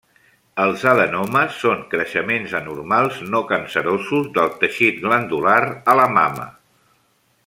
Els adenomes són creixements anormals no cancerosos del teixit glandular a la mama.